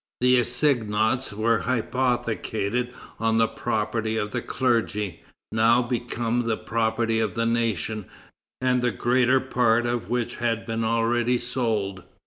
The assignats were hypothecated on the property of the clergy, now become the property of the nation, and the greater part of which had been already sold.